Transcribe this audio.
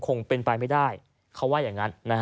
คงเป็นไปไม่ได้เขาว่าอย่างนั้น